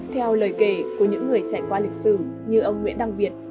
theo lời kể của những người chạy qua lịch sử như ông nguyễn đăng việt